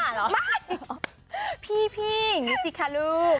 ไม่พี่อย่างนี้สิค่ะลูก